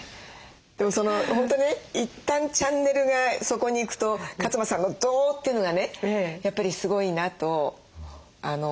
でも本当ね一旦チャンネルがそこに行くと勝間さんのドーッていうのがねやっぱりすごいなと思う。